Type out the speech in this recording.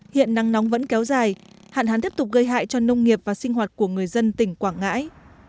hiện nắng nóng vẫn kéo dài hạn hán tiếp tục gây hại cho nông nghiệp và sinh hoạt của người dân tỉnh quảng ngãi